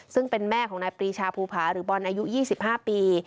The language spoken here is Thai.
ซึ่งเป็นแม่ของนายปรีชาภูผาหรือบอลอายุ๒๕ปี